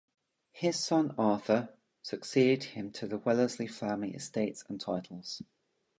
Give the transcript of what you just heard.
His son, Arthur, succeeded him to the Wellesley family estates and titles.